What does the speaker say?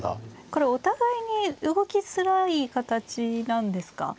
これお互いに動きづらい形なんですか。